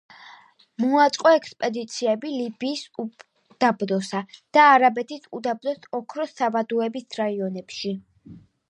მოაწყო ექსპედიციები ლიბიის უდაბნოსა და არაბეთის უდაბნოს ოქროს საბადოების რაიონებში.